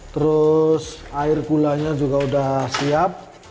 terus air gulanya juga sudah siap